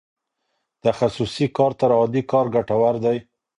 تخصصي کار تر عادي کار ګټور دی.